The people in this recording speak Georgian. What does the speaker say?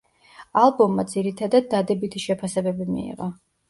ალბომმა ძირითადად დადებითი შეფასებები მიიღო.